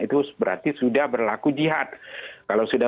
itu sudah berlaku jihad